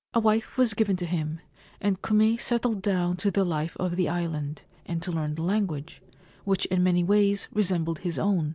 A wife was given to him, and Kume settled down to the life of the island, and to learn the language, which in many ways resembled his own.